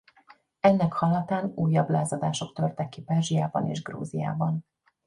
Ennek hallatán újabb lázadások törtek ki Perzsiában és Grúziában.